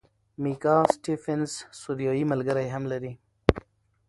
میکا سټیفنز سوریایي ملګری هم لري.